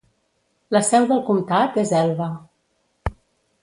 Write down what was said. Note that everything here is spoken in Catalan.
La seu del comtat és Elba.